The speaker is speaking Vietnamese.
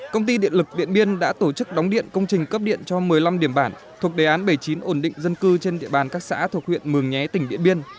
công ty điện lực điện biên đã tổ chức đóng điện công trình cấp điện cho một mươi năm điểm bản thuộc đề án bảy mươi chín ổn định dân cư trên địa bàn các xã thuộc huyện mường nhé tỉnh điện biên